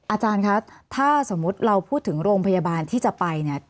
อาจารย์คะถ้าสมมุติเราพูดถึงโรงพยาบาลที่จะไปเนี่ย